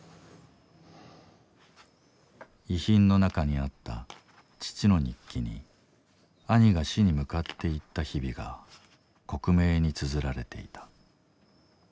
遺品の中にあった父の日記に兄が死に向かっていった日々が克明につづられていた。